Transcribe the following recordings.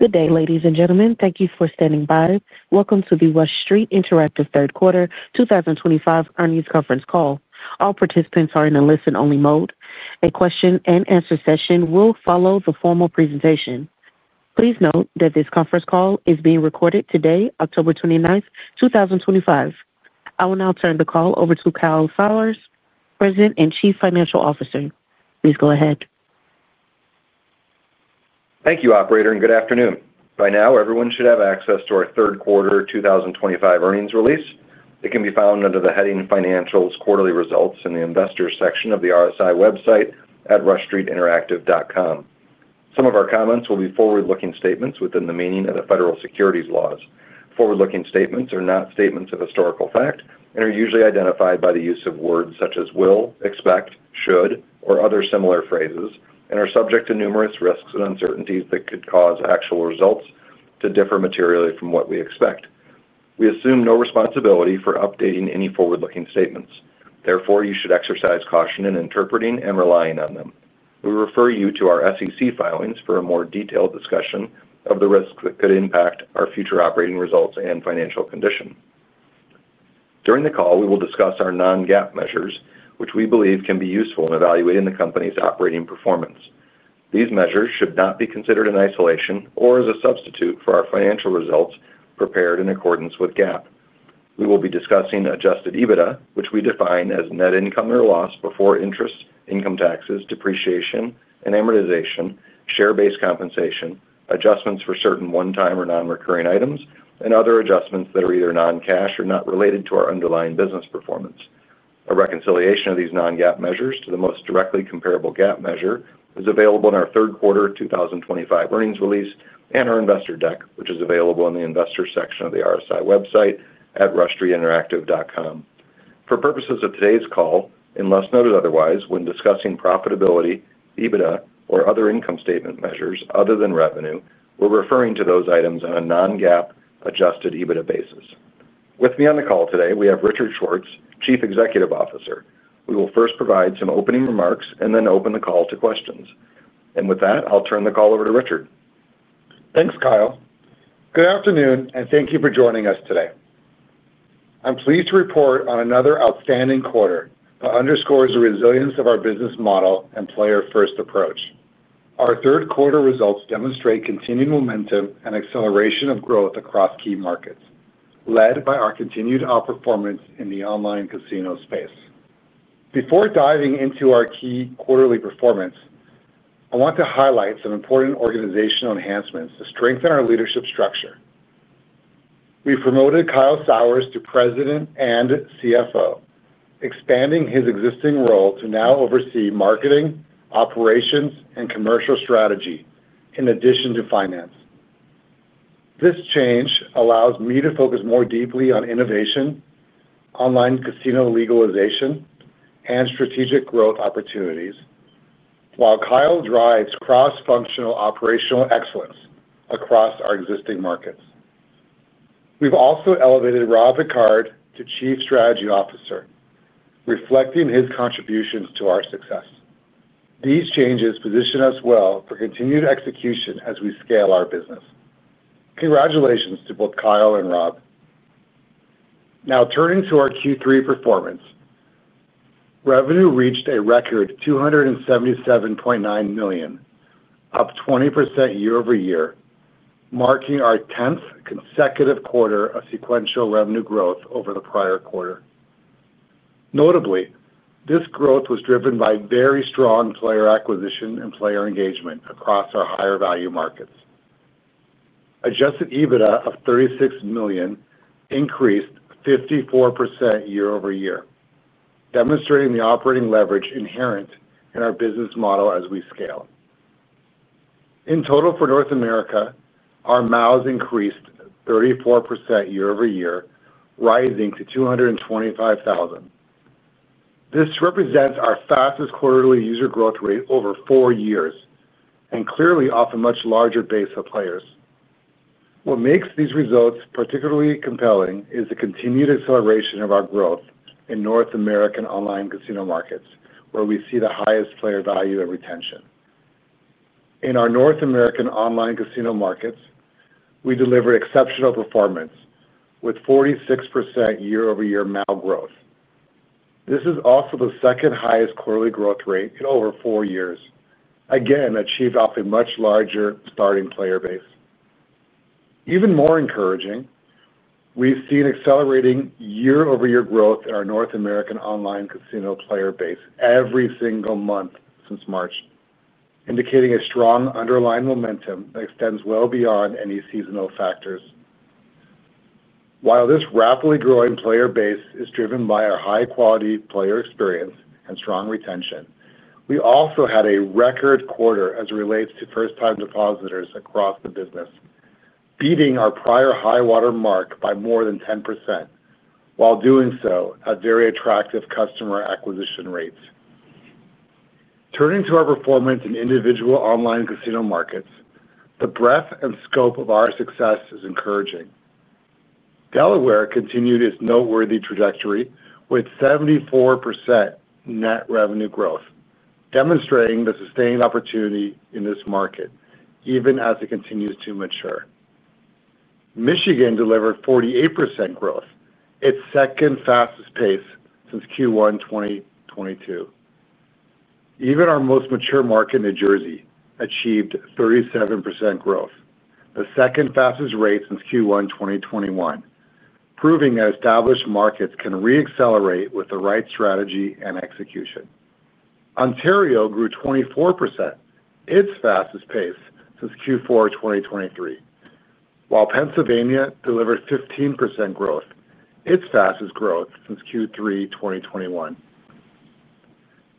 Good day, ladies and gentlemen. Thank you for standing by. Welcome to the Rush Street Interactive Third Quarter 2025 earnings conference call. All participants are in a listen-only mode. A question and answer session will follow the formal presentation. Please note that this conference call is being recorded today, October 29, 2025. I will now turn the call over to Kyle Sauers, President and Chief Financial Officer. Please go ahead. Thank you, Operator, and good afternoon. By now, everyone should have access to our third quarter 2025 earnings release. It can be found under the heading Financials Quarterly Results in the Investors section of the Rush Street Interactive website at rushstreetinteractive.com. Some of our comments will be forward-looking statements within the meaning of the federal securities laws. Forward-looking statements are not statements of historical fact and are usually identified by the use of words such as will, expect, should, or other similar phrases and are subject to numerous risks and uncertainties that could cause actual results to differ materially from what we expect. We assume no responsibility for updating any forward-looking statements. Therefore, you should exercise caution in interpreting and relying on them. We refer you to our SEC filings for a more detailed discussion of the risks that could impact our future operating results and financial condition. During the call, we will discuss our non-GAAP measures, which we believe can be useful in evaluating the company's operating performance. These measures should not be considered in isolation or as a substitute for our financial results prepared in accordance with GAAP. We will be discussing Adjusted EBITDA, which we define as net income or loss before interest, income taxes, depreciation and amortization, share-based compensation, adjustments for certain one-time or non-recurring items, and other adjustments that are either non-cash or not related to our underlying business performance. A reconciliation of these non-GAAP measures to the most directly comparable GAAP measure is available in our third quarter 2025 earnings release and our investor deck, which is available in the Investors section of the Rush Street Interactive website at rushstreetinteractive.com. For purposes of today's call, unless noted otherwise, when discussing profitability, EBITDA, or other income statement measures other than revenue, we're referring to those items on a non-GAAP Adjusted EBITDA basis. With me on the call today, we have Richard Schwartz, Chief Executive Officer. We will first provide some opening remarks and then open the call to questions. With that, I'll turn the call over to Richard. Thanks, Kyle. Good afternoon and thank you for joining us today. I'm pleased to report on another outstanding quarter that underscores the resilience of our business model and player-first approach. Our third quarter results demonstrate continued momentum and acceleration of growth across key markets, led by our continued outperformance in the online casino space. Before diving into our key quarterly performance, I want to highlight some important organizational enhancements to strengthen our leadership structure. We promoted Kyle Sauers to President and CFO, expanding his existing role to now oversee marketing, operations, and commercial strategy, in addition to finance. This change allows me to focus more deeply on innovation, online casino legalization, and strategic growth opportunities, while Kyle drives cross-functional operational excellence across our existing markets. We've also elevated Rob Picard to Chief Strategy Officer, reflecting his contributions to our success. These changes position us well for continued execution as we scale our business. Congratulations to both Kyle and Rob. Now, turning to our Q3 performance, revenue reached a record $277.9 million, up 20% year-over-year, marking our 10th consecutive quarter of sequential revenue growth over the prior quarter. Notably, this growth was driven by very strong player acquisition and player engagement across our higher-value markets. Adjusted EBITDA of $36 million increased 54% year-over-year, demonstrating the operating leverage inherent in our business model as we scale. In total, for North America, our MAUs increased 34% year-over-year, rising to 225,000. This represents our fastest quarterly user growth rate over four years and clearly off a much larger base of players. What makes these results particularly compelling is the continued acceleration of our growth in North American online casino markets, where we see the highest player value and retention. In our North American online casino markets, we delivered exceptional performance with 46% year-over-year MAU growth. This is also the second highest quarterly growth rate in over four years, again achieved off a much larger starting player base. Even more encouraging, we've seen accelerating year-over-year growth in our North American online casino player base every single month since March, indicating a strong underlying momentum that extends well beyond any seasonal factors. While this rapidly growing player base is driven by our high-quality player experience and strong retention, we also had a record quarter as it relates to first-time depositors across the business, beating our prior high-water mark by more than 10%, while doing so at very attractive customer acquisition rates. Turning to our performance in individual online casino markets, the breadth and scope of our success is encouraging. Delaware continued its noteworthy trajectory with 74% net revenue growth, demonstrating the sustained opportunity in this market, even as it continues to mature. Michigan delivered 48% growth, its second fastest pace since Q1 2022. Even our most mature market, New Jersey, achieved 37% growth, the second fastest rate since Q1 2021, proving that established markets can re-accelerate with the right strategy and execution. Ontario grew 24%, its fastest pace since Q4 2023, while Pennsylvania delivered 15% growth, its fastest growth since Q3 2021.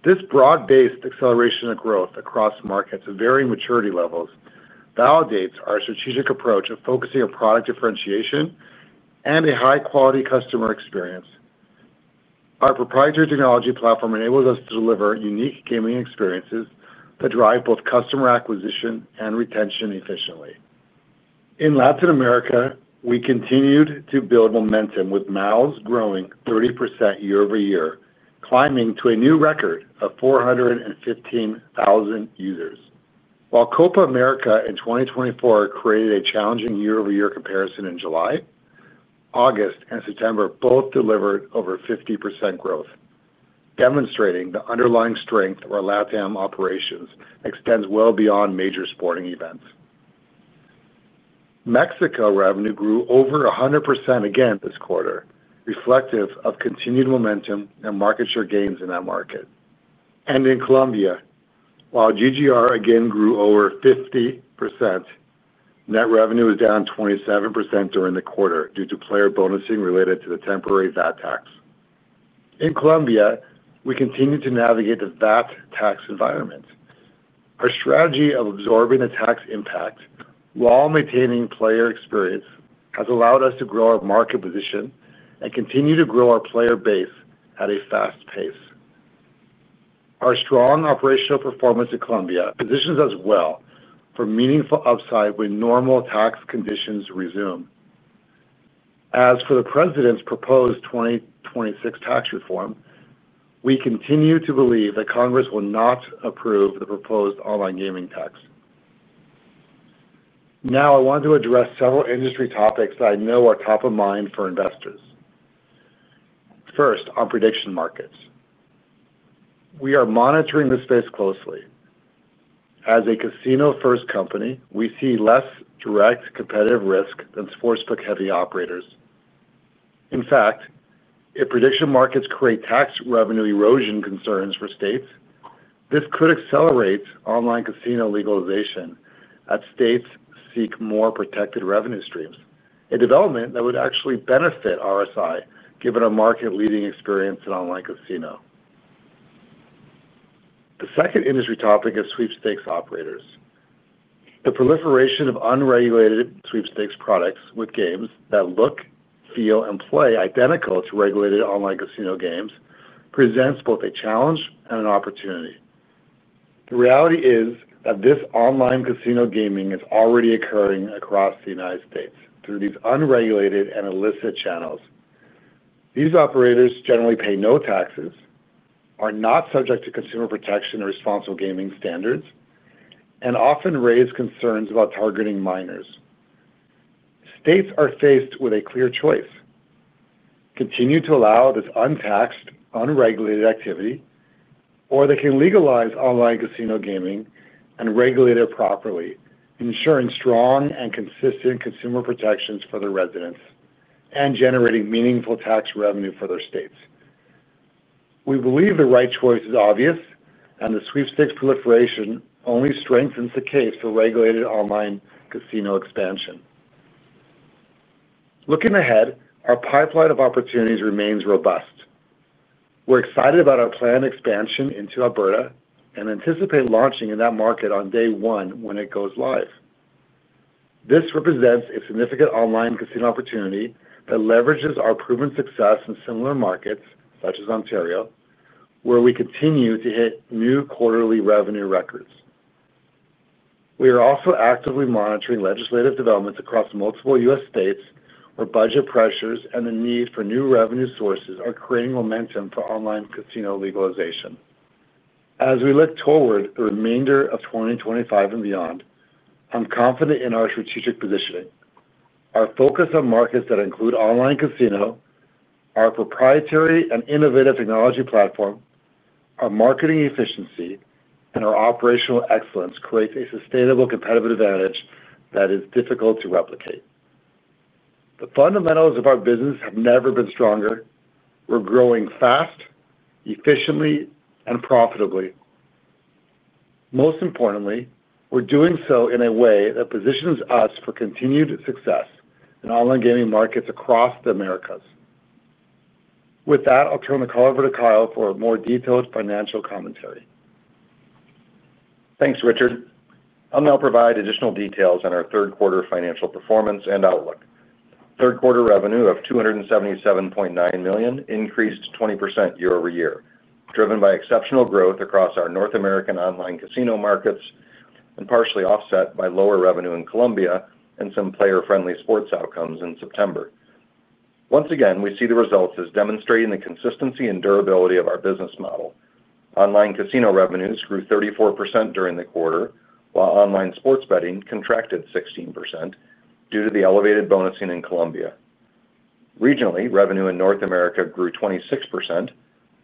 This broad-based acceleration of growth across markets of varying maturity levels validates our strategic approach of focusing on product differentiation and a high-quality customer experience. Our proprietary technology platform enables us to deliver unique gaming experiences that drive both customer acquisition and retention efficiently. In Latin America, we continued to build momentum with MAUs growing 30% year-over-year, climbing to a new record of 415,000 users. While Copa America in 2024 created a challenging year-over-year comparison in July, August and September both delivered over 50% growth, demonstrating the underlying strength of our LATAM operations extends well beyond major sporting events. Mexico revenue grew over 100% again this quarter, reflective of continued momentum and market share gains in that market. In Colombia, while GGR again grew over 50%, net revenue was down 27% during the quarter due to player bonusing related to the temporary VAT tax. In Colombia, we continue to navigate the VAT tax environment. Our strategy of absorbing the tax impact, while maintaining player experience, has allowed us to grow our market position and continue to grow our player base at a fast pace. Our strong operational performance in Colombia positions us well for meaningful upside when normal tax conditions resume. As for the President's proposed 2026 tax reform, we continue to believe that Congress will not approve the proposed online gaming tax. Now, I want to address several industry topics that I know are top of mind for investors. First, on prediction markets, we are monitoring the space closely. As a casino-first company, we see less direct competitive risk than sportsbook-heavy operators. In fact, if prediction markets create tax revenue erosion concerns for states, this could accelerate online casino legalization as states seek more protected revenue streams, a development that would actually benefit Rush Street Interactive, given our market-leading experience in online casino. The second industry topic is sweepstakes operators. The proliferation of unregulated sweepstakes products with games that look, feel, and play identical to regulated online casino games presents both a challenge and an opportunity. The reality is that this online casino gaming is already occurring across the United States through these unregulated and illicit channels. These operators generally pay no taxes, are not subject to consumer protection or responsible gaming standards, and often raise concerns about targeting minors. States are faced with a clear choice: continue to allow this untaxed, unregulated activity, or they can legalize online casino gaming and regulate it properly, ensuring strong and consistent consumer protections for their residents and generating meaningful tax revenue for their states. We believe the right choice is obvious, and the sweepstakes proliferation only strengthens the case for regulated online casino expansion. Looking ahead, our pipeline of opportunities remains robust. We're excited about our planned expansion into Alberta and anticipate launching in that market on day one when it goes live. This represents a significant online casino opportunity that leverages our proven success in similar markets such as Ontario, where we continue to hit new quarterly revenue records. We are also actively monitoring legislative developments across multiple U.S. states, where budget pressures and the need for new revenue sources are creating momentum for online casino legalization. As we look forward to the remainder of 2025 and beyond, I'm confident in our strategic positioning. Our focus on markets that include online casino, our proprietary and innovative technology platform, our marketing efficiency, and our operational excellence create a sustainable competitive advantage that is difficult to replicate. The fundamentals of our business have never been stronger. We're growing fast, efficiently, and profitably. Most importantly, we're doing so in a way that positions us for continued success in online gaming markets across the Americas. With that, I'll turn the call over to Kyle for a more detailed financial commentary. Thanks, Richard. I'll now provide additional details on our third quarter financial performance and outlook. Third quarter revenue of $277.9 million increased 20% year-over-year, driven by exceptional growth across our North American online casino markets and partially offset by lower revenue in Colombia and some player-friendly sports outcomes in September. Once again, we see the results as demonstrating the consistency and durability of our business model. Online casino revenues grew 34% during the quarter, while online sports betting contracted 16% due to the elevated bonusing in Colombia. Regionally, revenue in North America grew 26%,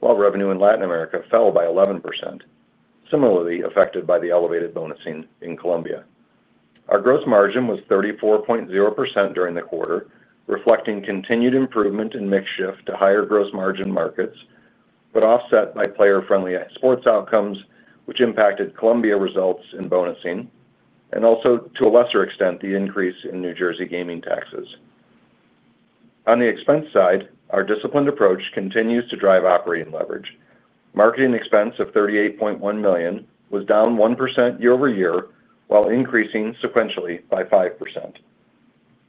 while revenue in Latin America fell by 11%, similarly affected by the elevated bonusing in Colombia. Our gross margin was 34.0% during the quarter, reflecting continued improvement in mix shift to higher gross margin markets, but offset by player-friendly sports outcomes, which impacted Colombia results in bonusing and also, to a lesser extent, the increase in New Jersey gaming taxes. On the expense side, our disciplined approach continues to drive operating leverage. Marketing expense of $38.1 million was down 1% year-over-year, while increasing sequentially by 5%.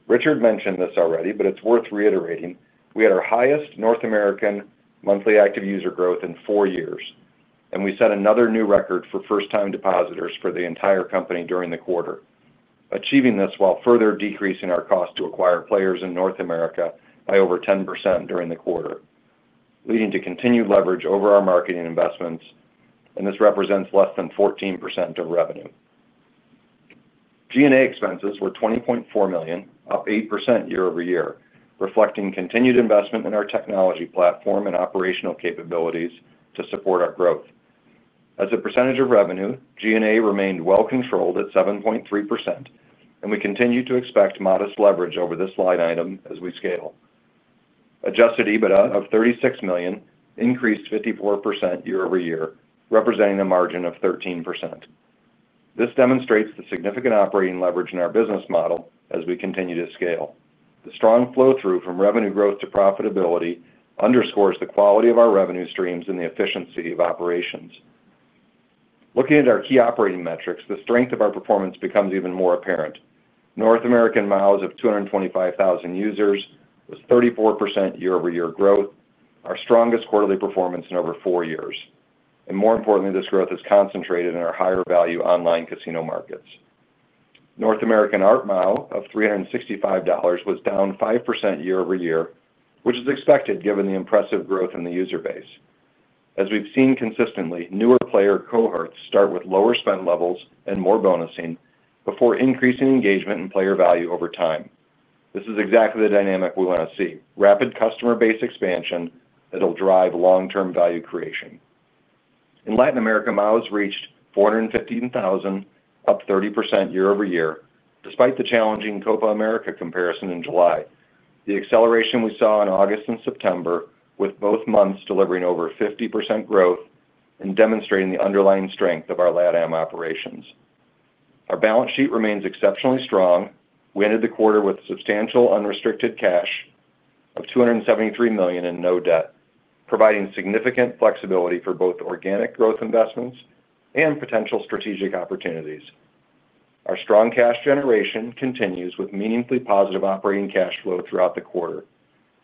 Richard mentioned this already, but it's worth reiterating, we had our highest North American monthly active user growth in four years, and we set another new record for first-time depositors for the entire company during the quarter, achieving this while further decreasing our cost to acquire players in North America by over 10% during the quarter, leading to continued leverage over our marketing investments, and this represents less than 14% of revenue. G&A expenses were $20.4 million, up 8% year-over-year, reflecting continued investment in our technology platform and operational capabilities to support our growth. As a percentage of revenue, G&A remained well controlled at 7.3%, and we continue to expect modest leverage over this line item as we scale. Adjusted EBITDA of $36 million increased 54% year-over-year, representing a margin of 13%. This demonstrates the significant operating leverage in our business model as we continue to scale. The strong flow-through from revenue growth to profitability underscores the quality of our revenue streams and the efficiency of operations. Looking at our key operating metrics, the strength of our performance becomes even more apparent. North American MAUs of 225,000 users was 34% year-over-year growth, our strongest quarterly performance in over four years. More importantly, this growth is concentrated in our higher-value online casino markets. North American ART MAU of $365 was down 5% year-over-year, which is expected given the impressive growth in the user base. As we've seen consistently, newer player cohorts start with lower spend levels and more bonusing before increasing engagement and player value over time. This is exactly the dynamic we want to see: rapid customer base expansion that will drive long-term value creation. In Latin America, MAUs reached 415,000, up 30% year-over-year, despite the challenging Copa America comparison in July. The acceleration we saw in August and September, with both months delivering over 50% growth and demonstrating the underlying strength of our LATAM operations. Our balance sheet remains exceptionally strong. We ended the quarter with substantial unrestricted cash of $273 million and no debt, providing significant flexibility for both organic growth investments and potential strategic opportunities. Our strong cash generation continues with meaningfully positive operating cash flow throughout the quarter.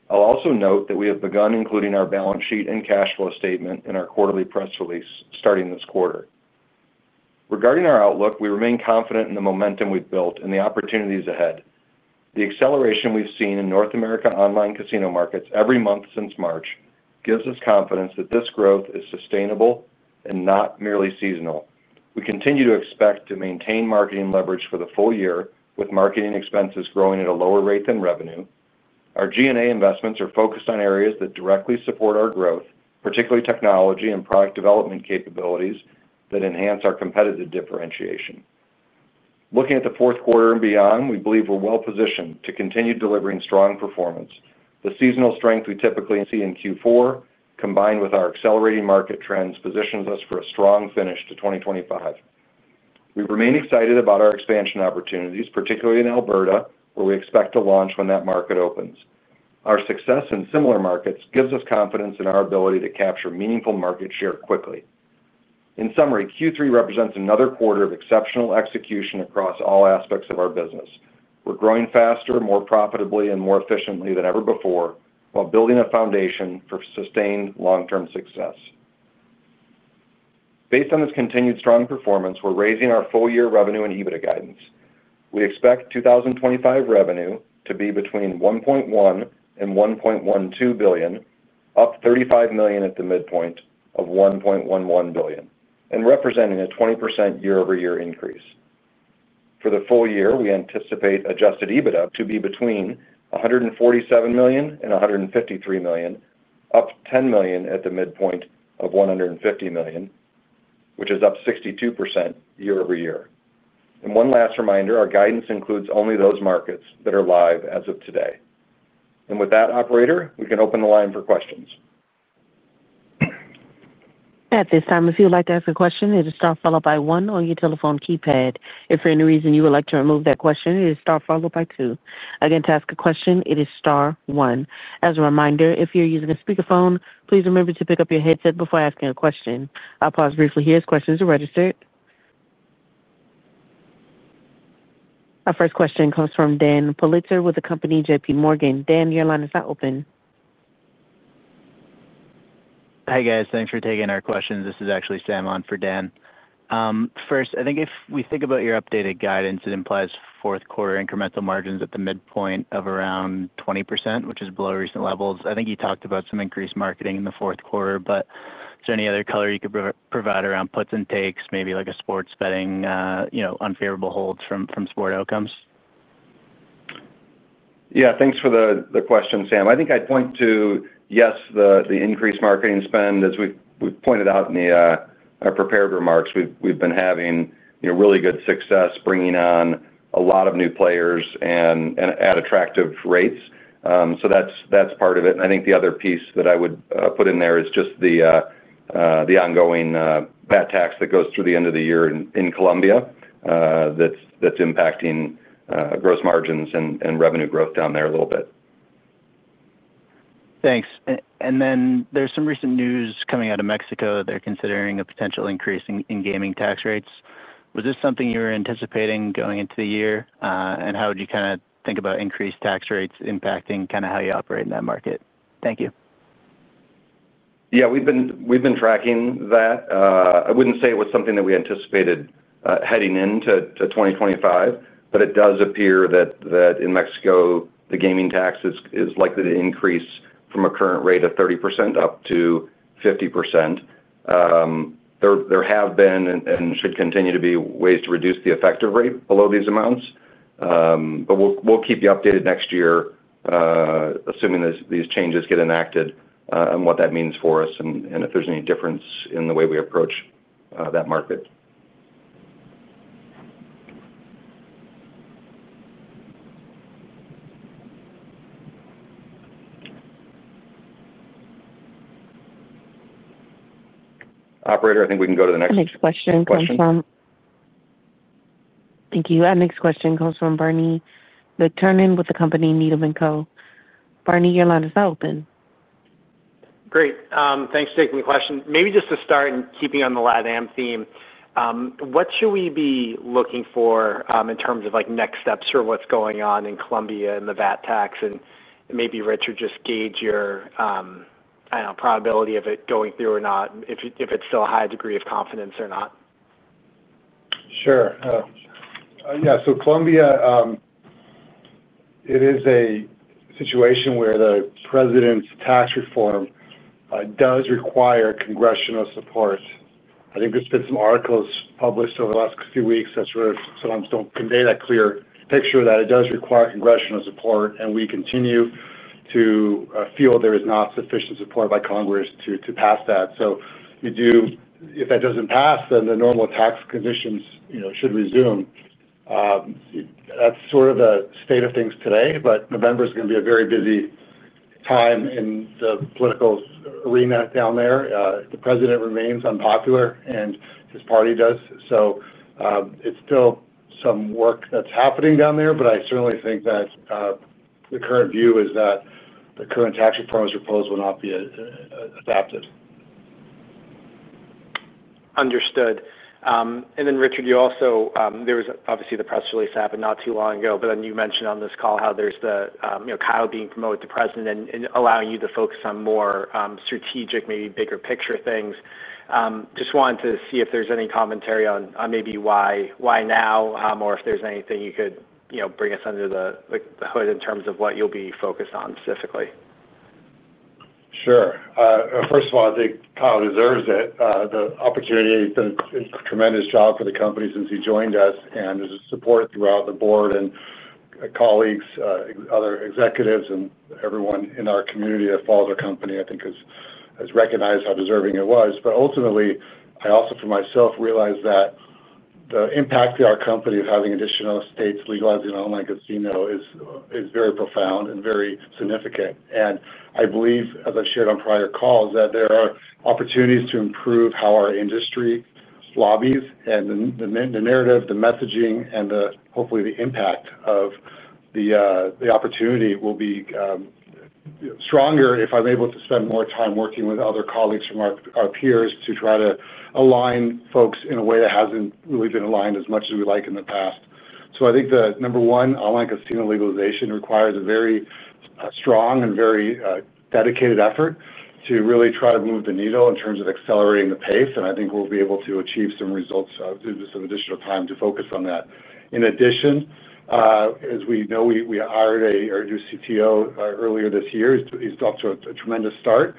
I'll also note that we have begun including our balance sheet and cash flow statement in our quarterly press release starting this quarter. Regarding our outlook, we remain confident in the momentum we've built and the opportunities ahead. The acceleration we've seen in North America online casino markets every month since March gives us confidence that this growth is sustainable and not merely seasonal. We continue to expect to maintain marketing leverage for the full year, with marketing expenses growing at a lower rate than revenue. Our G&A investments are focused on areas that directly support our growth, particularly technology and product development capabilities that enhance our competitive differentiation. Looking at the fourth quarter and beyond, we believe we're well positioned to continue delivering strong performance. The seasonal strength we typically see in Q4, combined with our accelerating market trends, positions us for a strong finish to 2025. We remain excited about our expansion opportunities, particularly in Alberta, where we expect to launch when that market opens. Our success in similar markets gives us confidence in our ability to capture meaningful market share quickly. In summary, Q3 represents another quarter of exceptional execution across all aspects of our business. We're growing faster, more profitably, and more efficiently than ever before, while building a foundation for sustained long-term success. Based on this continued strong performance, we're raising our full-year revenue and EBITDA guidance. We expect 2025 revenue to be between $1.1 billion and $1.12 billion, up $35 million at the midpoint of $1.11 billion, and representing a 20% year-over-year increase. For the full year, we anticipate Adjusted EBITDA to be between $147 million and $153 million, up $10 million at the midpoint of $150 million, which is up 62% year-over-year. One last reminder, our guidance includes only those markets that are live as of today. With that, Operator, we can open the line for questions. At this time, if you would like to ask a question, it is star followed by one on your telephone keypad. If for any reason you would like to remove that question, it is star followed by two. Again, to ask a question, it is star one. As a reminder, if you're using a speakerphone, please remember to pick up your headset before asking a question. I'll pause briefly here as questions are registered. Our first question comes from Dan Politzer with JPMorgan. Dan, your line is now open. Hey, guys. Thanks for taking our questions. This is actually Sam on for Dan. First, I think if we think about your updated guidance, it implies fourth quarter incremental margins at the midpoint of around 20%, which is below recent levels. I think you talked about some increased marketing in the fourth quarter, but is there any other color you could provide around puts and takes, maybe like a sports betting, you know, unfavorable holds from sport outcomes? Yeah, thanks for the question, Sam. I think I'd point to, yes, the increased marketing spend. As we've pointed out in our prepared remarks, we've been having really good success bringing on a lot of new players and at attractive rates. That's part of it. I think the other piece that I would put in there is just the ongoing VAT tax that goes through the end of the year in Colombia. That's impacting gross margins and revenue growth down there a little bit. Thanks. There's some recent news coming out of Mexico. They're considering a potential increase in gaming tax rates. Was this something you were anticipating going into the year, and how would you kind of think about increased tax rates impacting kind of how you operate in that market? Thank you. Yeah, we've been tracking that. I wouldn't say it was something that we anticipated heading into 2025, but it does appear that in Mexico, the gaming tax is likely to increase from a current rate of 30% up to 50%. There have been and should continue to be ways to reduce the effective rate below these amounts. We'll keep you updated next year, assuming these changes get enacted, and what that means for us and if there's any difference in the way we approach that market. Operator, I think we can go to the next question. Our next question comes from. Question? Thank you. Our next question comes from Bernie McTernan with Needham & Co. Bernie, your line is now open. Great, thanks for taking the question. Maybe just to start and keeping on the LATAM theme, what should we be looking for in terms of next steps for what's going on in Colombia and the VAT tax? Maybe, Richard, just gauge your probability of it going through or not, if it's still a high degree of confidence or not. Sure. Yeah. So Colombia, it is a situation where the President's tax reform does require congressional support. I think there's been some articles published over the last few weeks that sometimes don't convey that clear picture that it does require congressional support, and we continue to feel there is not sufficient support by Congress to pass that. If that doesn't pass, then the normal tax conditions should resume. That's sort of the state of things today, but November is going to be a very busy time in the political arena down there. The President remains unpopular, and his party does. It's still some work that's happening down there, but I certainly think that the current view is that the current tax reform as proposed will not be adopted. Understood. Richard, there was obviously the press release that happened not too long ago, but then you mentioned on this call how there's Kyle being promoted to President and allowing you to focus on more strategic, maybe bigger picture things. I just wanted to see if there's any commentary on maybe why now, or if there's anything you could bring us under the hood in terms of what you'll be focused on specifically. Sure. First of all, I think Kyle deserves it. The opportunity has done a tremendous job for the company since he joined us, and his support throughout the board and colleagues, other executives, and everyone in our community that follows our company, I think, has recognized how deserving it was. Ultimately, I also, for myself, realized that the impact to our company of having additional states legalizing online casino is very profound and very significant. I believe, as I've shared on prior calls, that there are opportunities to improve how our industry lobbies and the narrative, the messaging, and hopefully the impact of the opportunity will be stronger if I'm able to spend more time working with other colleagues from our peers to try to align folks in a way that hasn't really been aligned as much as we like in the past. I think the number one, online casino legalization requires a very strong and very dedicated effort to really try to move the needle in terms of accelerating the pace, and I think we'll be able to achieve some results with some additional time to focus on that. In addition, as we know, we hired our new CTO earlier this year. He's off to a tremendous start.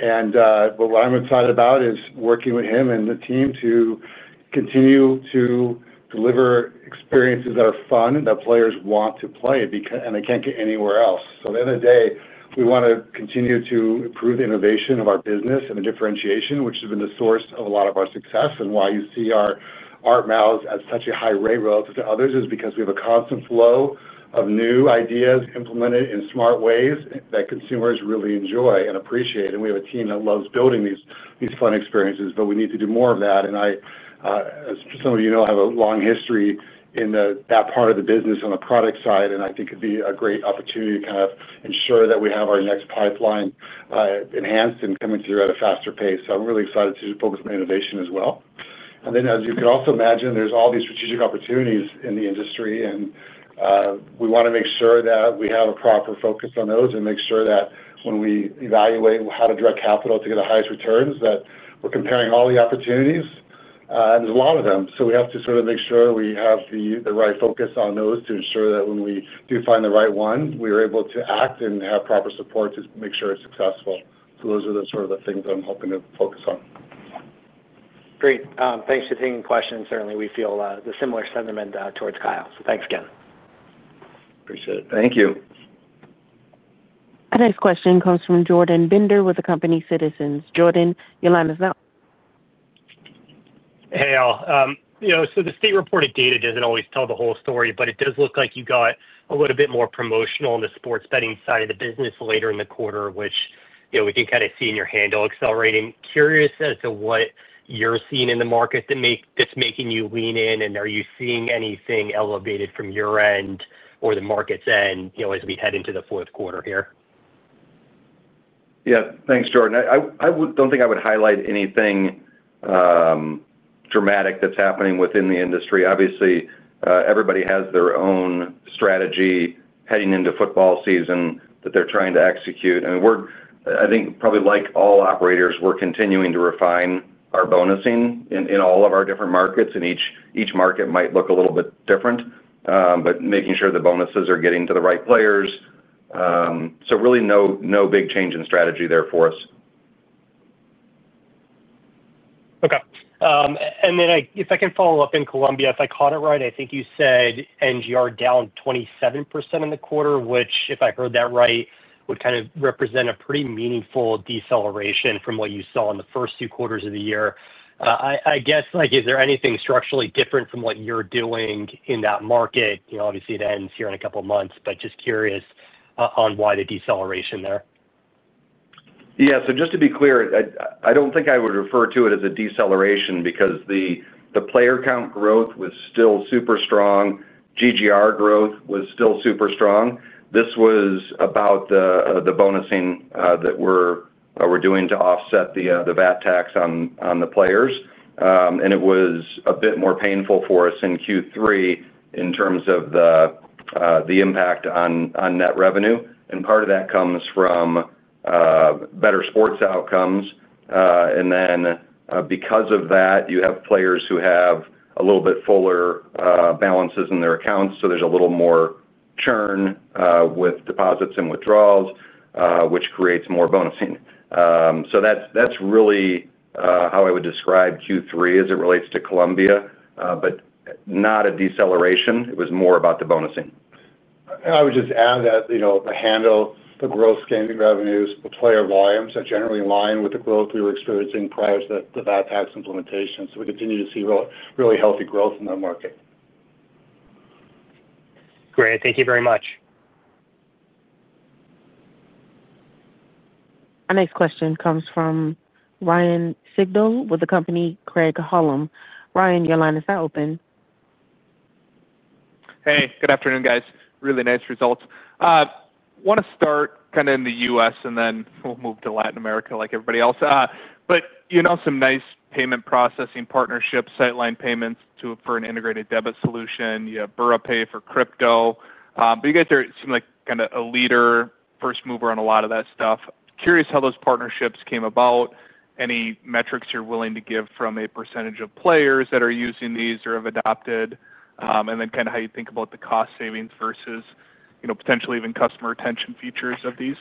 What I'm excited about is working with him and the team to continue to deliver experiences that are fun and that players want to play because they can't get them anywhere else. At the end of the day, we want to continue to improve the innovation of our business and the differentiation, which has been the source of a lot of our success. Why you see our MAUs at such a high rate relative to others is because we have a constant flow of new ideas implemented in smart ways that consumers really enjoy and appreciate. We have a team that loves building these fun experiences, but we need to do more of that. As some of you know, I have a long history in that part of the business on the product side, and I think it'd be a great opportunity to kind of ensure that we have our next pipeline enhanced and coming through at a faster pace. I'm really excited to focus on innovation as well. As you could also imagine, there's all these strategic opportunities in the industry, and we want to make sure that we have a proper focus on those and make sure that when we evaluate how to direct capital to get the highest returns, that we're comparing all the opportunities, and there's a lot of them. We have to make sure we have the right focus on those to ensure that when we do find the right one, we are able to act and have proper support to make sure it's successful. Those are the things that I'm hoping to focus on. Great, thanks for taking the question. Certainly, we feel the similar sentiment towards Kyle. Thanks again. Appreciate it. Thank you. Our next question comes from Jordan Bender with Citizens. Jordan, your line is not. Hey, you know, the state reported data doesn't always tell the whole story, but it does look like you got a little bit more promotional on the sports betting side of the business later in the quarter, which we can kind of see in your handle accelerating. Curious as to what you're seeing in the market that's making you lean in, and are you seeing anything elevated from your end or the market's end as we head into the fourth quarter here? Yeah. Thanks, Jordan. I don't think I would highlight anything dramatic that's happening within the industry. Obviously, everybody has their own strategy heading into football season that they're trying to execute. I mean, we're, I think, probably like all operators, we're continuing to refine our bonusing in all of our different markets, and each market might look a little bit different, but making sure the bonuses are getting to the right players. Really no big change in strategy there for us. Okay. If I can follow up in Colombia, if I caught it right, I think you said NGR down 27% in the quarter, which, if I heard that right, would kind of represent a pretty meaningful deceleration from what you saw in the first two quarters of the year. I guess, like, is there anything structurally different from what you're doing in that market? Obviously, it ends here in a couple of months, but just curious on why the deceleration there. Yeah. Just to be clear, I don't think I would refer to it as a deceleration because the player count growth was still super strong. GGR growth was still super strong. This was about the bonusing that we're doing to offset the VAT tax on the players. It was a bit more painful for us in Q3 in terms of the impact on net revenue. Part of that comes from better sports outcomes, and then, because of that, you have players who have a little bit fuller balances in their accounts. There's a little more churn with deposits and withdrawals, which creates more bonusing. That's really how I would describe Q3 as it relates to Colombia, but not a deceleration. It was more about the bonusing. I would just add that, you know, the handle, the gross gaming revenues, the player volumes are generally in line with the growth we were experiencing prior to the VAT tax implementation. We continue to see really healthy growth in that market. Great, thank you very much. Our next question comes from Ryan Sigdahl with Craig-Hallum. Ryan, your line is now open. Hey. Good afternoon, guys. Really nice results. I want to start kind of in the U.S., and then we'll move to Latin America like everybody else. You know, some nice payment processing partnerships, Sightline Payments too for an integrated debit solution. You have BurraPay for crypto. You guys seem like kind of a leader, first mover on a lot of that stuff. Curious how those partnerships came about, any metrics you're willing to give from a percentage of players that are using these or have adopted, and then kind of how you think about the cost savings versus, you know, potentially even customer retention features of these.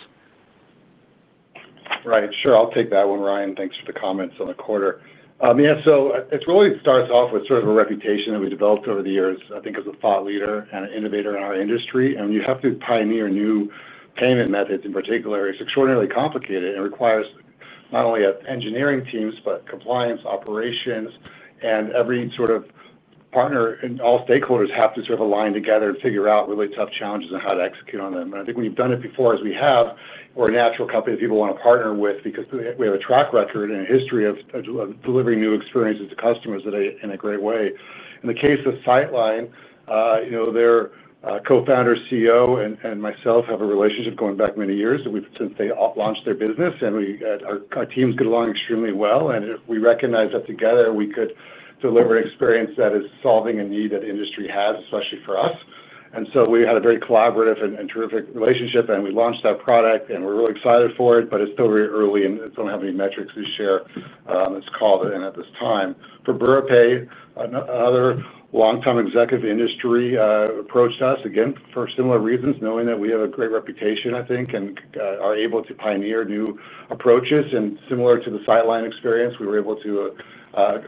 Right. Sure. I'll take that one, Ryan. Thanks for the comments on the quarter. It really starts off with sort of a reputation that we developed over the years, I think, as a thought leader and an innovator in our industry. When you have to pioneer new payment methods in particular, it's extraordinarily complicated and requires not only engineering teams, but compliance, operations, and every sort of partner and all stakeholders have to align together and figure out really tough challenges and how to execute on them. I think when you've done it before, as we have, we're a natural company that people want to partner with because we have a track record and a history of delivering new experiences to customers in a great way. In the case of Sightline Payments, you know, their Co-Founder, CEO, and myself have a relationship going back many years. Since they launched their business, our teams get along extremely well. We recognize that together we could deliver an experience that is solving a need that the industry has, especially for us. We had a very collaborative and terrific relationship, and we launched that product, and we're really excited for it, but it's still very early and don't have any metrics to share on this call at this time. For BurraPay, another long-time executive in the industry approached us, again, for similar reasons, knowing that we have a great reputation, I think, and are able to pioneer new approaches. Similar to the Sightline experience, we were able to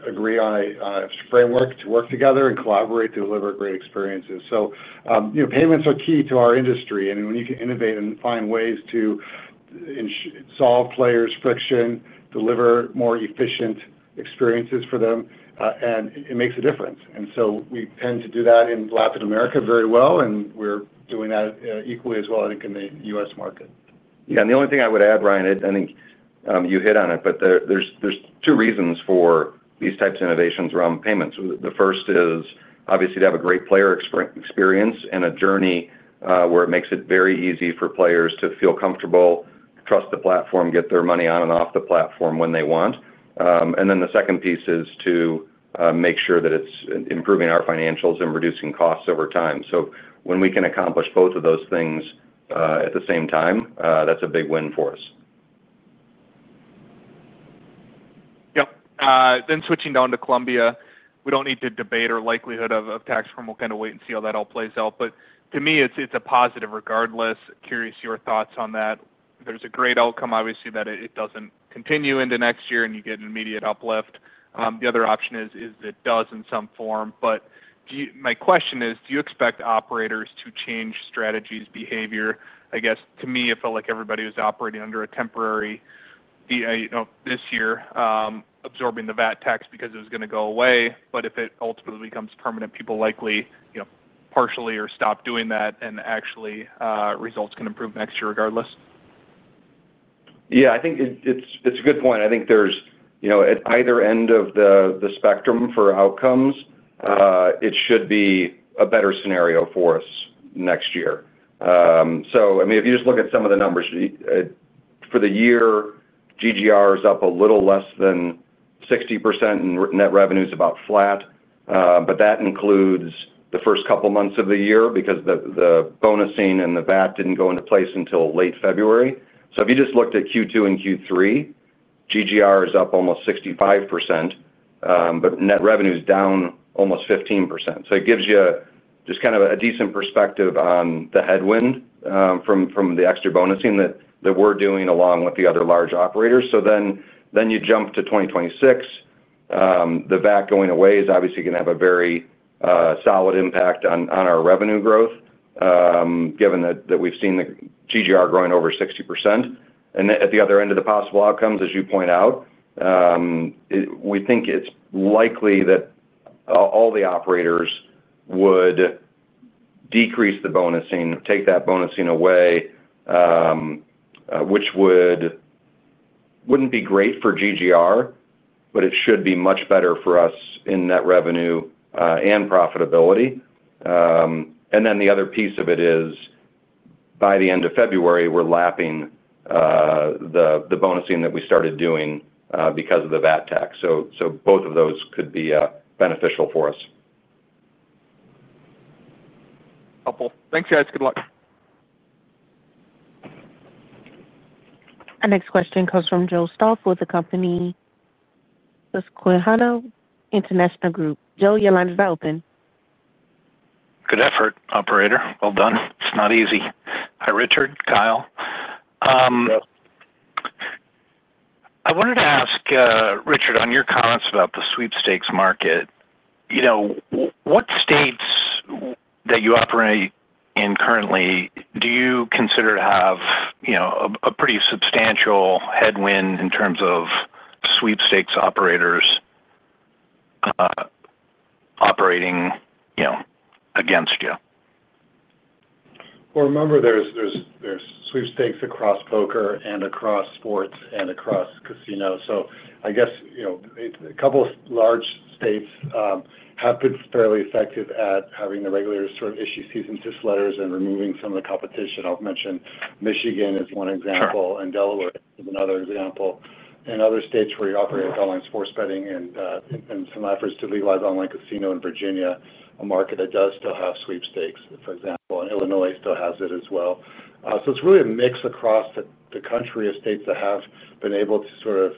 agree on a framework to work together and collaborate to deliver great experiences. Payments are key to our industry. When you can innovate and find ways to solve players' friction, deliver more efficient experiences for them, it makes a difference. We tend to do that in Latin America very well, and we're doing that equally as well, I think, in the U.S. market. Yeah. The only thing I would add, Ryan, I think you hit on it, but there are two reasons for these types of innovations around payments. The first is, obviously, to have a great player experience and a journey, where it makes it very easy for players to feel comfortable, trust the platform, get their money on and off the platform when they want, and then the second piece is to make sure that it's improving our financials and reducing costs over time. When we can accomplish both of those things at the same time, that's a big win for us. Yep. Switching down to Colombia, we don't need to debate our likelihood of tax reform. We'll kind of wait and see how that all plays out. To me, it's a positive regardless. Curious your thoughts on that. There's a great outcome, obviously, that it doesn't continue into next year and you get an immediate uplift. The other option is it does in some form. Do you expect operators to change strategies or behavior? To me, it felt like everybody was operating under a temporary, you know, this year, absorbing the VAT tax because it was going to go away. If it ultimately becomes permanent, people likely, you know, partially or stop doing that, and actually, results can improve next year regardless. Yeah. I think it's a good point. I think there's, you know, at either end of the spectrum for outcomes, it should be a better scenario for us next year. If you just look at some of the numbers, for the year, GGR is up a little less than 60%, and net revenue is about flat. That includes the first couple of months of the year because the bonusing and the VAT didn't go into place until late February. If you just looked at Q2 and Q3, GGR is up almost 65%, but net revenue is down almost 15%. It gives you just kind of a decent perspective on the headwind from the extra bonusing that we're doing along with the other large operators. You jump to 2026, the VAT going away is obviously going to have a very solid impact on our revenue growth, given that we've seen the GGR growing over 60%. At the other end of the possible outcomes, as you point out, we think it's likely that all the operators would decrease the bonusing, take that bonusing away, which wouldn't be great for GGR, but it should be much better for us in net revenue and profitability. The other piece of it is by the end of February, we're lapping the bonusing that we started doing because of the VAT tax. Both of those could be beneficial for us. Helpful. Thanks, guys. Good luck. Our next question comes from Joe Stauff with the company Susquehanna. Joe, your line is now open. Good effort, Operator. Well done. It's not easy. Hi, Richard. Hi, Kyle. Hi, Joe. I wanted to ask, Richard, on your comments about the sweepstakes market, what states that you operate in currently do you consider to have a pretty substantial headwind in terms of sweepstakes operators operating against you? There are sweepstakes across poker and across sports and across casinos. A couple of large states have been fairly effective at having the regulators issue cease-and-desist letters and removing some of the competition. I'll mention Michigan as one example, and Delaware is another example. In other states where you operate online sports betting and some efforts to legalize online casino in Virginia, a market that does still have sweepstakes, for example, and Illinois still has it as well. It is really a mix across the country of states that have been able to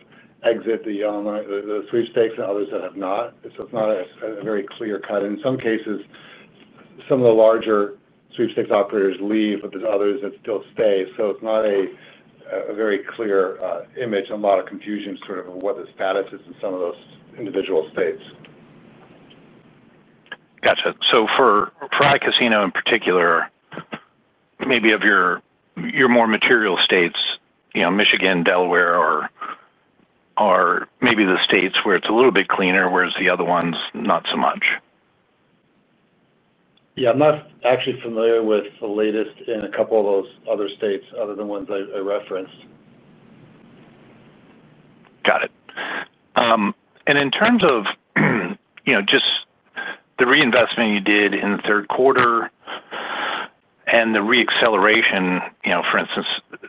exit the online sweepstakes and others that have not. It is not very clear cut. In some cases, some of the larger sweepstakes operators leave, but there are others that still stay. It is not a very clear image and a lot of confusion about what the status is in some of those individual states. Gotcha. For iCasino in particular, maybe of your more material states, you know, Michigan, Delaware are maybe the states where it's a little bit cleaner, whereas the other ones not so much. Yeah. I'm not actually familiar with the latest in a couple of those other states other than ones I referenced. Got it. In terms of just the reinvestment you did in the third quarter and the reacceleration, for instance,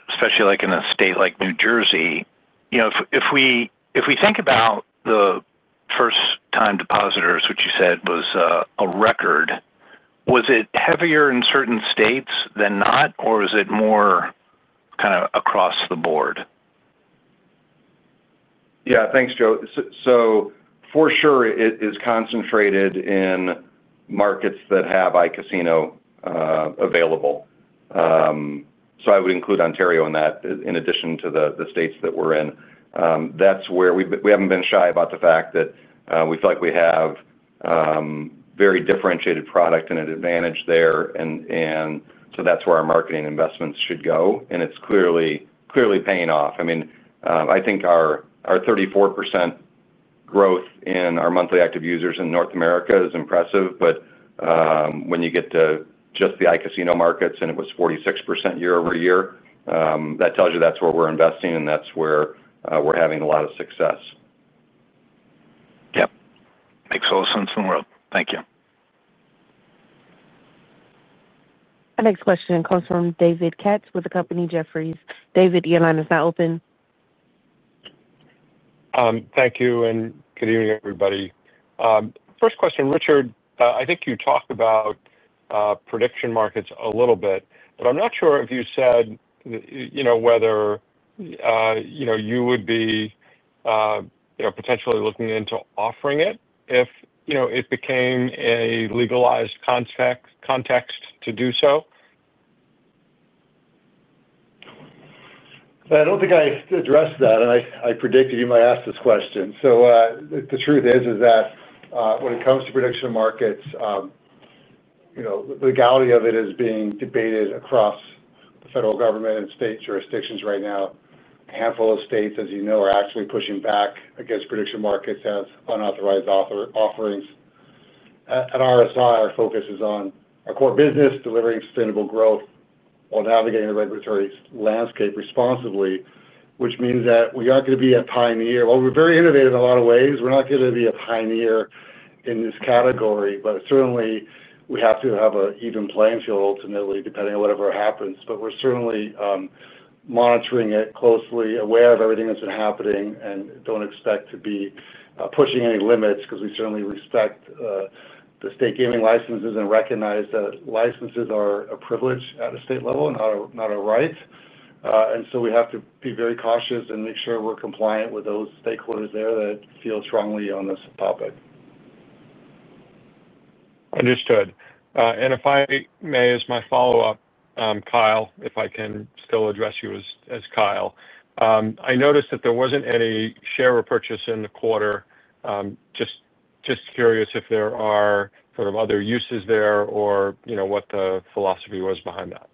especially like in a state like New Jersey, if we think about the first-time depositors, which you said was a record, was it heavier in certain states than not, or was it more kind of across the board? Yeah. Thanks, Joe. It is concentrated in markets that have online casino available. I would include Ontario in that in addition to the states that we're in. We haven't been shy about the fact that we feel like we have a very differentiated product and an advantage there. That's where our marketing investments should go, and it's clearly paying off. I think our 34% growth in our monthly active users in North America is impressive. When you get to just the online casino markets and it was 46% year-over-year, that tells you that's where we're investing and that's where we're having a lot of success. Yeah, makes all the sense in the world. Thank you. Our next question comes from David Katz with Jefferies. David, your line is now open. Thank you and good evening, everybody. First question, Richard, I think you talked about prediction markets a little bit, but I'm not sure if you said whether you would be potentially looking into offering it if it became a legalized context to do so. I don't think I addressed that, and I predicted you might ask this question. The truth is, when it comes to prediction markets, the legality of it is being debated across the federal government and state jurisdictions right now. A handful of states, as you know, are actually pushing back against prediction markets as unauthorized offerings. At Rush Street Interactive, our focus is on our core business, delivering sustainable growth while navigating the regulatory landscape responsibly, which means that we aren't going to be a pioneer. We're very innovative in a lot of ways. We're not going to be a pioneer in this category, but certainly, we have to have an even playing field ultimately, depending on whatever happens. We're certainly monitoring it closely, aware of everything that's been happening, and don't expect to be pushing any limits because we certainly respect the state gaming licenses and recognize that licenses are a privilege at a state level and not a right. We have to be very cautious and make sure we're compliant with those stakeholders there that feel strongly on this topic. Understood. If I may, as my follow-up, Kyle, if I can still address you as Kyle, I noticed that there wasn't any share repurchase in the quarter. Just curious if there are sort of other uses there or, you know, what the philosophy was behind that.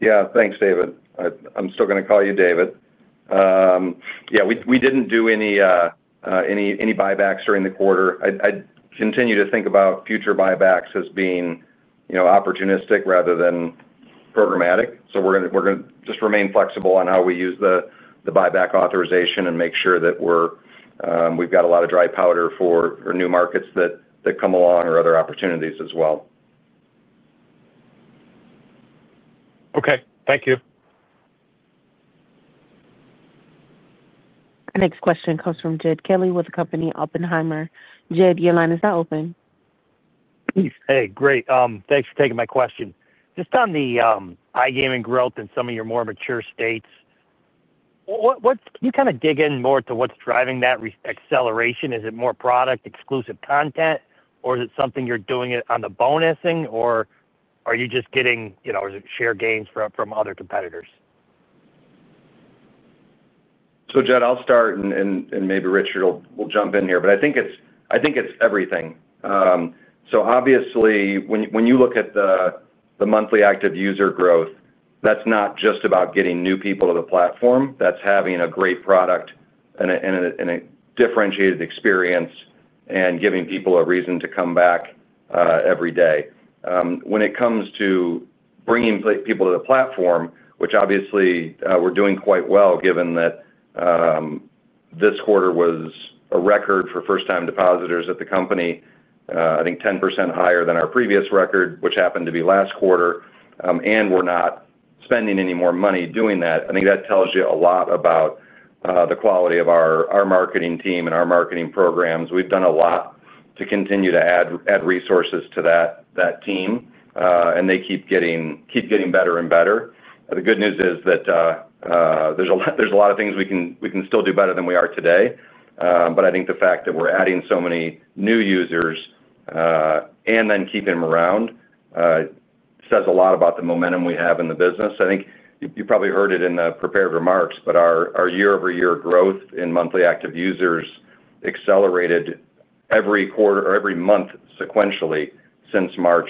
Yeah. Thanks, David. I'm still going to call you David. We didn't do any buybacks during the quarter. I continue to think about future buybacks as being, you know, opportunistic rather than programmatic. We're going to just remain flexible on how we use the buyback authorization and make sure that we've got a lot of dry powder for new markets that come along or other opportunities as well. Okay, thank you. Our next question comes from Jed Kelly with Oppenheimer. Jed, your line is now open. Hey, great, thanks for taking my question. Just on the iGaming growth in some of your more mature states, can you kind of dig in more to what's driving that acceleration? Is it more product-exclusive content, or is it something you're doing on the bonusing, or are you just getting, you know, share games from other competitors? Jed, I'll start and maybe Richard will jump in here. I think it's everything. Obviously, when you look at the monthly active user growth, that's not just about getting new people to the platform. That's having a great product and a differentiated experience and giving people a reason to come back every day. When it comes to bringing people to the platform, which obviously we're doing quite well given that this quarter was a record for first-time depositors at the company, I think 10% higher than our previous record, which happened to be last quarter, and we're not spending any more money doing that. I think that tells you a lot about the quality of our marketing team and our marketing programs. We've done a lot to continue to add resources to that team, and they keep getting better and better. The good news is that there's a lot of things we can still do better than we are today. I think the fact that we're adding so many new users and then keeping them around says a lot about the momentum we have in the business. I think you probably heard it in the prepared remarks, but our year-over-year growth in monthly active users accelerated every quarter or every month sequentially since March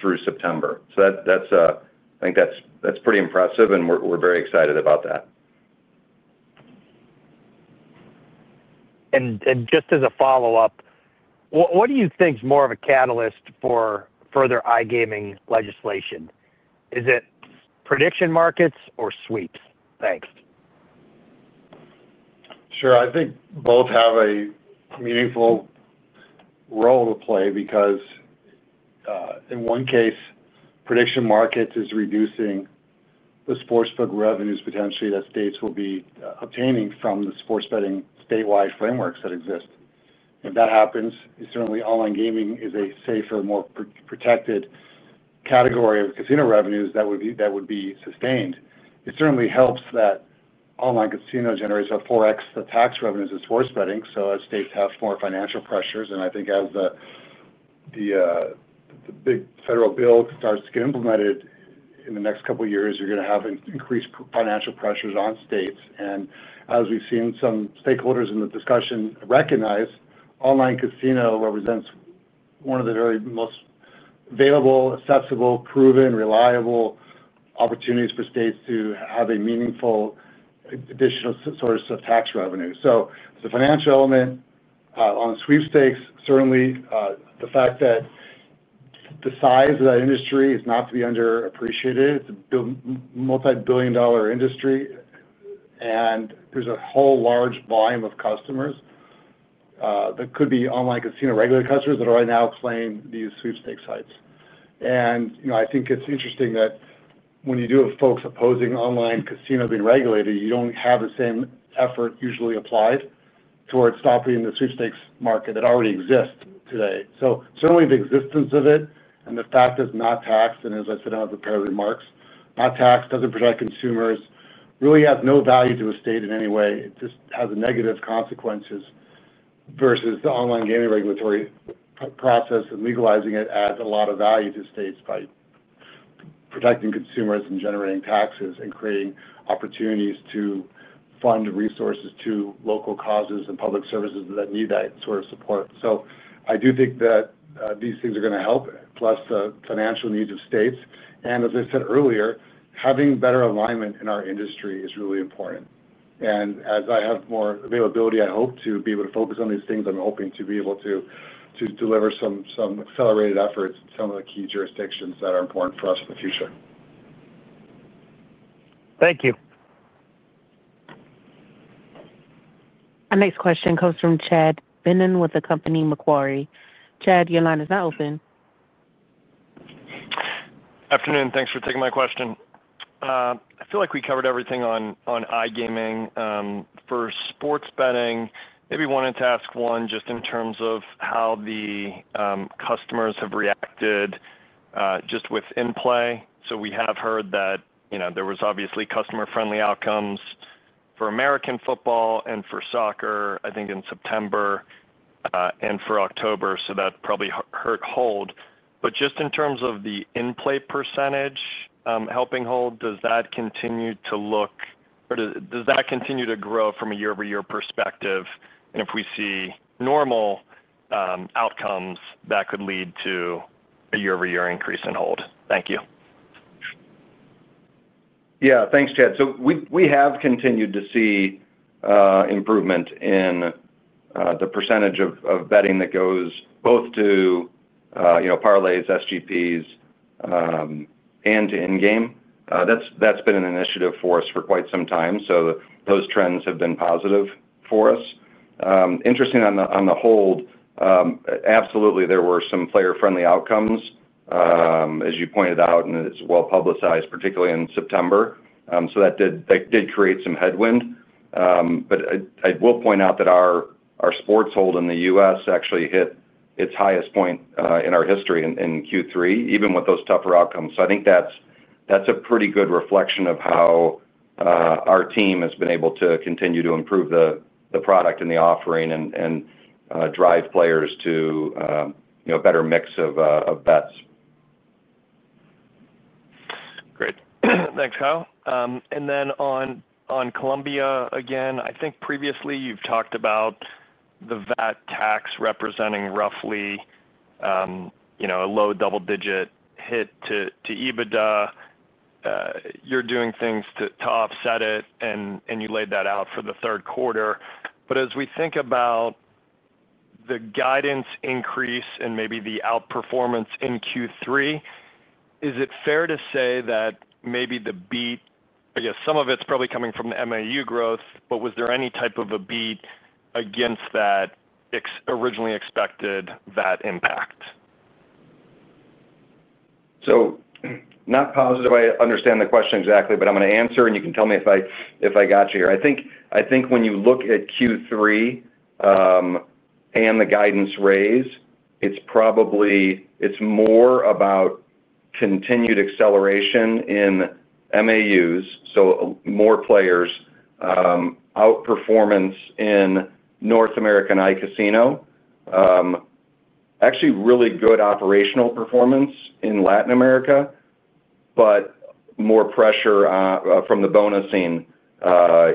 through September. I think that's pretty impressive, and we're very excited about that. What do you think is more of a catalyst for further iGaming legislation? Is it prediction markets or sweepstakes? Thanks. Sure. I think both have a meaningful role to play because, in one case, prediction markets is reducing the sportsbook revenues potentially that states will be obtaining from the sports betting statewide frameworks that exist. If that happens, it's certainly online gaming is a safer, more protected category of casino revenues that would be sustained. It certainly helps that online casino generates about 4X the tax revenues of sports betting. As states have more financial pressures, and I think as the big federal bill starts to get implemented in the next couple of years, you're going to have increased financial pressures on states. As we've seen some stakeholders in the discussion recognize, online casino represents one of the very most available, accessible, proven, reliable opportunities for states to have a meaningful additional source of tax revenue. It's the financial element. On sweepstakes, certainly, the fact that the size of that industry is not to be underappreciated. It's a multibillion-dollar industry, and there's a whole large volume of customers that could be online casino regulated customers that are right now playing these sweepstakes sites. I think it's interesting that when you do have folks opposing online casino being regulated, you don't have the same effort usually applied towards stopping the sweepstakes market that already exists today. Certainly, the existence of it and the fact that it's not taxed, and as I said in my prepared remarks, not taxed, doesn't protect consumers, really has no value to a state in any way. It just has a negative consequence versus the online gaming regulatory process, and legalizing it adds a lot of value to states by protecting consumers and generating taxes and creating opportunities to fund resources to local causes and public services that need that sort of support. I do think that these things are going to help, plus the financial needs of states. As I said earlier, having better alignment in our industry is really important. As I have more availability, I hope to be able to focus on these things. I'm hoping to be able to deliver some accelerated efforts in some of the key jurisdictions that are important for us in the future. Thank you. Our next question comes from Chad Beynon with Macquarie. Chad, your line is now open. Afternoon. Thanks for taking my question. I feel like we covered everything on iGaming. For sports betting, I wanted to ask one just in terms of how the customers have reacted, just within play. We have heard that there were obviously customer-friendly outcomes for American football and for soccer, I think, in September and for October. That probably hurt hold. In terms of the in-play percentage helping hold, does that continue to look or does that continue to grow from a year-over-year perspective? If we see normal outcomes, that could lead to a year-over-year increase in hold. Thank you. Yeah. Thanks, Chad. We have continued to see improvement in the percentage of betting that goes both to parlays, SGPs, and to in-game. That's been an initiative for us for quite some time. Those trends have been positive for us. Interesting on the hold, absolutely, there were some player-friendly outcomes, as you pointed out, and it's well-publicized, particularly in September. That did create some headwind. I will point out that our sports hold in the U.S. actually hit its highest point in our history in Q3, even with those tougher outcomes. I think that's a pretty good reflection of how our team has been able to continue to improve the product and the offering and drive players to, you know, a better mix of bets. Great. Thanks, Kyle. On Colombia again, I think previously you've talked about the VAT tax representing roughly, you know, a low double-digit hit to EBITDA. You're doing things to offset it, and you laid that out for the third quarter. As we think about the guidance increase and maybe the outperformance in Q3, is it fair to say that maybe the beat, I guess, some of it's probably coming from the MAU growth, but was there any type of a beat against that originally expected VAT impact? I'm not positive I understand the question exactly, but I'm going to answer, and you can tell me if I got you here. I think when you look at Q3 and the guidance raise, it's probably more about continued acceleration in MAUs, so more players, outperformance in North American online casino, actually really good operational performance in Latin America, but more pressure from the bonusing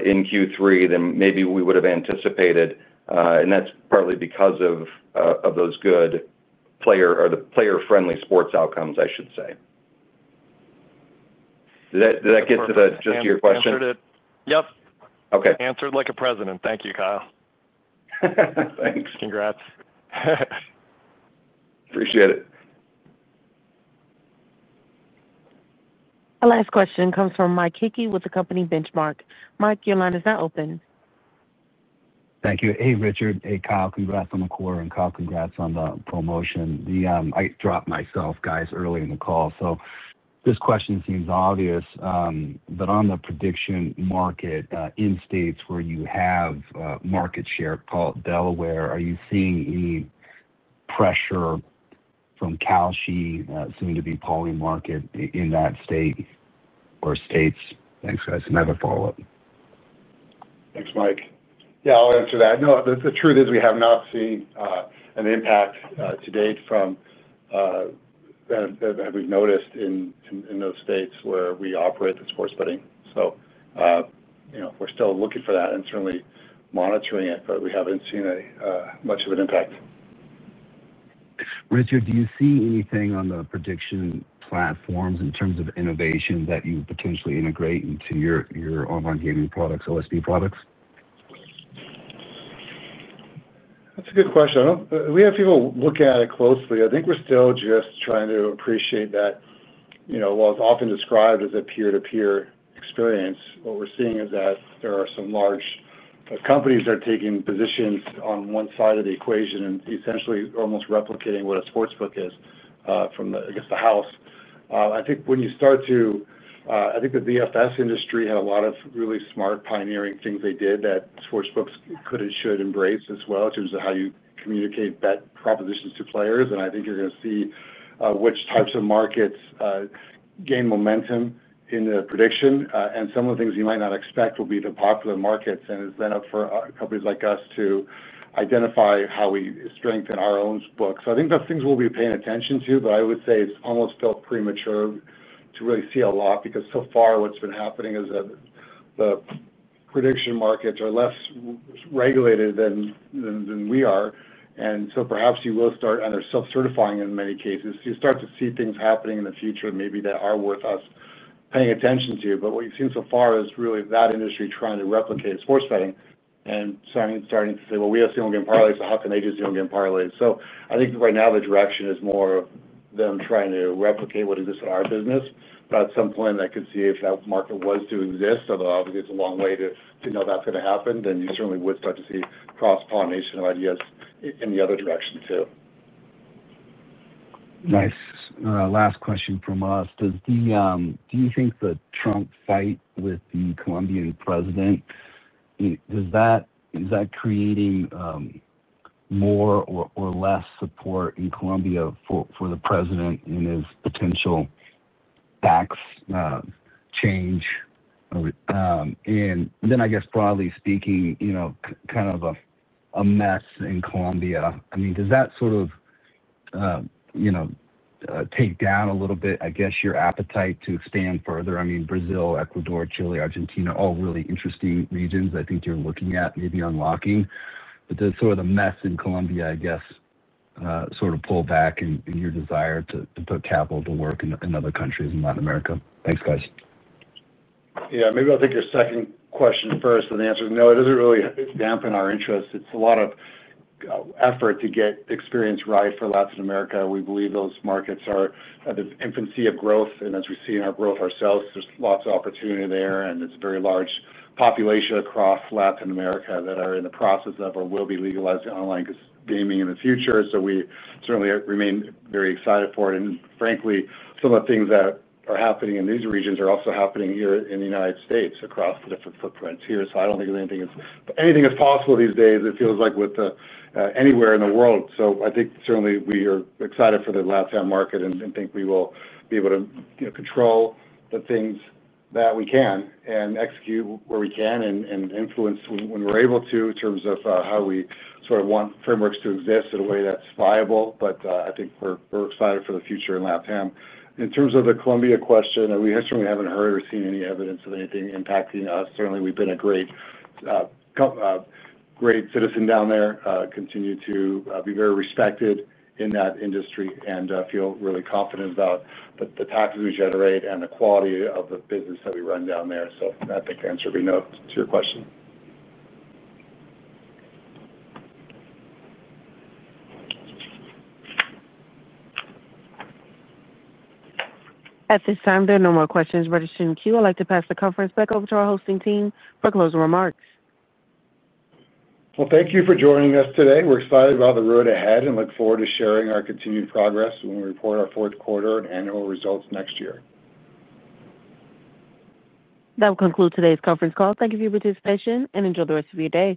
in Q3 than maybe we would have anticipated. That's partly because of those good player or the player-friendly sports outcomes, I should say. Did that get to the gist of your question? Yep. Okay. Answered like a President. Thank you, Kyle. Thanks. Congrats. Appreciate it. Our last question comes from Mike Hickey with Benchmark Company. Mike, your line is not open. Thank you. Hey, Richard. Hey, Kyle. Congrats on the quarter, and Kyle, congrats on the promotion. I dropped myself early in the call. This question seems obvious, but on the prediction market, in states where you have market share, call it Delaware, are you seeing any pressure from Kalshi, soon-to-be Polymarket in that state or states? Thanks, guys. Another follow-up. Thanks, Mike. Yeah, I'll answer that. No, the truth is we have not seen an impact to date from that that we've noticed in those states where we operate the sports betting. You know, we're still looking for that and certainly monitoring it, but we haven't seen much of an impact. Richard, do you see anything on the prediction markets in terms of innovation that you would potentially integrate into your online gaming products, OSB products? That's a good question. We have people look at it closely. I think we're still just trying to appreciate that, you know, while it's often described as a peer-to-peer experience, what we're seeing is that there are some large companies that are taking positions on one side of the equation and essentially almost replicating what a sportsbook is, from the, I guess, the house. I think when you start to, I think the VFS industry had a lot of really smart pioneering things they did that sportsbooks could and should embrace as well in terms of how you communicate bet propositions to players. I think you're going to see which types of markets gain momentum in the prediction, and some of the things you might not expect will be the popular markets. It's then up for companies like us to identify how we strengthen our own books. I think those things we'll be paying attention to, but I would say it's almost still premature to really see a lot because so far what's been happening is that the prediction markets are less regulated than we are. Perhaps you will start, and they're self-certifying in many cases, so you start to see things happening in the future that maybe are worth us paying attention to. What you've seen so far is really that industry trying to replicate sports betting and starting to say, "We have single-game parlays, so how can they do single-game parlays?" I think right now the direction is more of them trying to replicate what exists in our business. At some point, I could see if that market was to exist, although obviously, it's a long way to know that's going to happen. You certainly would start to see cross-pollination of ideas in the other direction too. Nice. Last question from us. Do you think the Trump fight with the Colombian president, is that creating more or less support in Colombia for the president in his potential tax change? Broadly speaking, kind of a mess in Colombia. Does that take down a little bit your appetite to expand further? Brazil, Ecuador, Chile, Argentina, all really interesting regions I think you're looking at maybe unlocking. Does the mess in Colombia pull back your desire to put capital to work in other countries in Latin America? Thanks, guys. Maybe I'll take your second question first, and the answer is no, it doesn't really dampen our interests. It's a lot of effort to get experience right for Latin America. We believe those markets are at the infancy of growth. As we see in our growth ourselves, there's lots of opportunity there, and it's a very large population across Latin America that are in the process of or will be legalizing online gaming in the future. We certainly remain very excited for it. Frankly, some of the things that are happening in these regions are also happening here in the United States across the different footprints here. I don't think there's anything that's possible these days, it feels like, with the anywhere in the world. I think certainly we are excited for the LATAM market and think we will be able to, you know, control the things that we can and execute where we can and influence when we're able to in terms of how we sort of want frameworks to exist in a way that's viable. I think we're excited for the future in LATAM. In terms of the Colombia question, we certainly haven't heard or seen any evidence of anything impacting us. Certainly, we've been a great, great citizen down there, continue to be very respected in that industry and feel really confident about the taxes we generate and the quality of the business that we run down there. I think the answer would be no to your question. At this time, there are no more questions registered in queue. I'd like to pass the conference back over to our hosting team for closing remarks. Thank you for joining us today. We're excited about the road ahead and look forward to sharing our continued progress when we report our fourth quarter and annual results next year. That will conclude today's conference call. Thank you for your participation and enjoy the rest of your day.